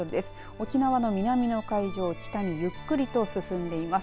沖縄の南の海上を北にゆっくりと進んでいます。